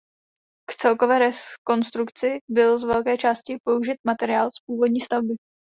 K celkové rekonstrukci byl z velké části použit materiál z původní stavby.